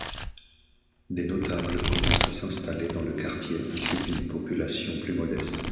Des notables commencent à s’installer dans le quartier, ainsi qu'une population plus modeste.